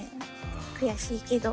悔しいけど。